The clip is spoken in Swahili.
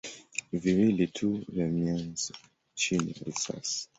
viwili tu vya mionzi chini ya risasi.